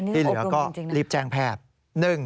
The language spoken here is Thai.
ที่เหลือก็รีบแจ้งแพทย์